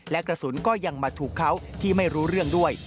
และกระสุนก็ยังมาถูกเขาที่ไม่รู้เรื่องด้วย